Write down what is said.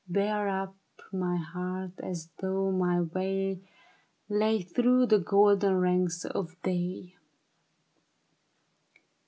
Bear up my heart as though my way Lay through the golden ranks of day.